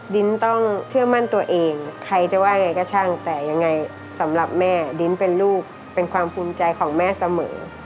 ดินต้องเชื่อมั่นตัวเองใครจะว่ายังไงก็ช่างแต่ยังไงสำหรับแม่ดิ้นเป็นลูกเป็นความภูมิใจของแม่เสมอ